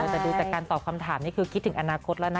แต่ดูจากการตอบคำถามนี่คือคิดถึงอนาคตแล้วนะ